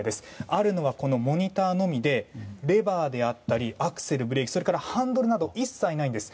あるのは、このモニターのみでレバーであったりアクセルブレーキ、ハンドルなどが一切ないんです。